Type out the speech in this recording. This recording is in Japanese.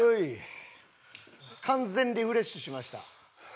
完全リフレッシュしました。